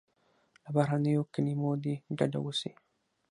له بهرنیو کلیمو دې ډډه وسي.